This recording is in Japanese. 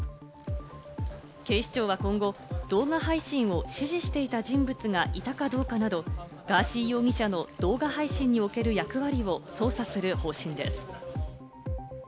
警視庁は今後、動画配信を指示していた人物がいたかどうかなど、ガーシー容疑者の動画配信における役割を捜査する方針です。